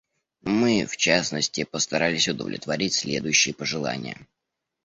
Мы, в частности, постарались удовлетворить следующие пожелания.